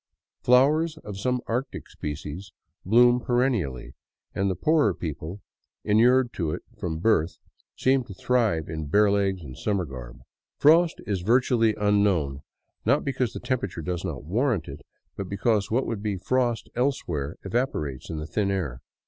Flowers — of some Arctic species — bloom perennially, and the poorer people, inured to it from birth, seem to thrive in bare legs and summer garb. Frost is virtually un known, not because the temperature does not warrant it, but because what would be frost elsewhere evaporates in the thin air.